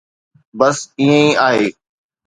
بس ائين ئي آهي.